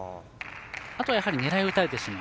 あとは狙い打たれてしまう。